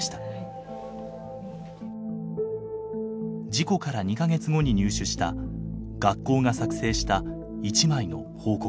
事故から２か月後に入手した学校が作成した一枚の報告書。